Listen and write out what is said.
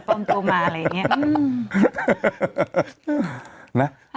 ประธานบริษัทปลอมตัวมาอะไรอย่างนี้